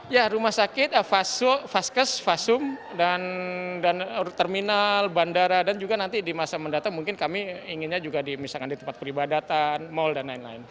ya rumah sakit faskes fasum dan terminal bandara dan juga nanti di masa mendatang mungkin kami inginnya juga misalkan di tempat peribadatan mal dan lain lain